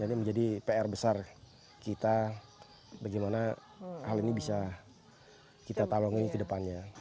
jadi menjadi pr besar kita bagaimana hal ini bisa kita talongin ke depannya